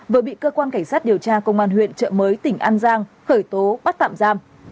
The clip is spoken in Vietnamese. vừa bị cơ quan cảnh sát điều tra công an huyện trợ mới tỉnh an giang khởi tố bắt tạm giam